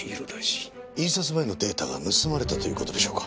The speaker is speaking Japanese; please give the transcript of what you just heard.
印刷前のデータが盗まれたという事でしょうか？